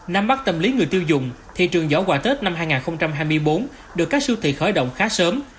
năm bắt tâm lý người tiêu dùng thị trường giỏ quà tết năm hai nghìn hai mươi bốn được các siêu thị khởi động khá sớm